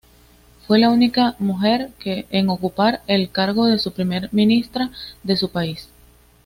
Fue la única mujer en ocupar el cargo de primera ministra de su país.